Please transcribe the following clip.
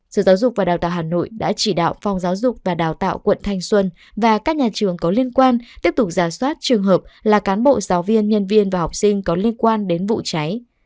sở giáo dục và đào tạo hà nội đã chỉ đạo phòng giáo dục và đào tạo quận thanh xuân và các nhà trường có liên quan tiếp tục giả soát trường hợp là cán bộ giáo viên nhân viên và học sinh có liên quan đến vụ cháy